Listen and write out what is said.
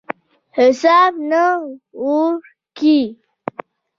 حساب نه وو کړی.